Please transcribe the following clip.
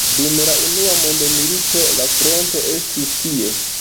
Dum la unua mondmilito la fronto estis tie.